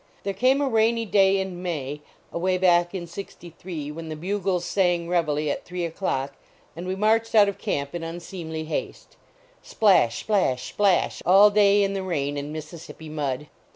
There came a rainy day in May, away back in 63, when the bugles sang reveille at three o clock and we marched out of camp in unseemly haste. Splash, splash, splash all day in the rain and Mississippi mud.